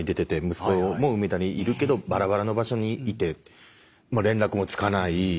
息子も梅田にいるけどバラバラの場所にいて連絡もつかない。